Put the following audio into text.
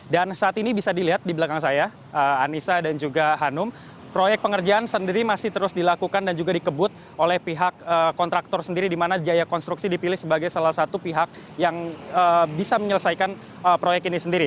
dan saat ini bisa dilihat di belakang saya anissa dan juga hanum proyek pengerjaan sendiri masih terus dilakukan dan juga dikebut oleh pihak kontraktor sendiri di mana jaya konstruksi dipilih sebagai salah satu pihak yang bisa menyelesaikan proyek ini sendiri